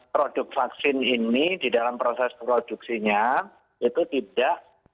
produk vaksin ini di dalam proses produksinya